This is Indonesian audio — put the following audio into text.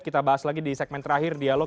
kita bahas lagi di segmen terakhir dialog